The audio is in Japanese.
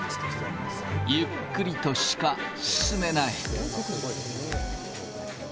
ゆっくりとしか進めない。